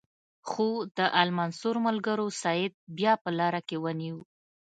خو د المنصور ملګرو سید بیا په لاره کې ونیو.